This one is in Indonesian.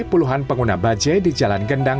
puluhan pengguna bajai di jalan gendang